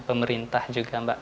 pemerintah juga mbak